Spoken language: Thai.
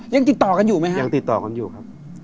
ยังติดต่อกันอยู่ไหมฮะยังติดต่อกันอยู่ครับ